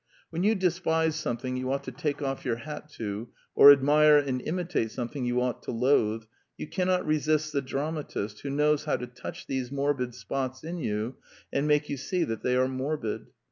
When you despise something you ought to take off your hat to, or admire and imitate something you ought to loathe, you cannot resist the dramatist who knows how to touch these morbid spots in you and make you see that they are morbid.